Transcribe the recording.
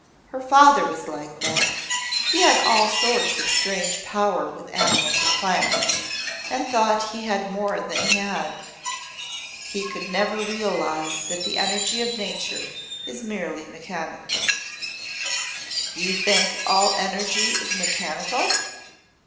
Her father was like that he had all sorts of strange power with animals and plants, and thought he had more than he had. He could never realize that the energy of nature is merely mechanical." "You think all energy is mechanical?"